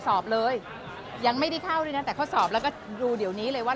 สอบเลยยังไม่ได้เข้าด้วยนะแต่เขาสอบแล้วก็ดูเดี๋ยวนี้เลยว่า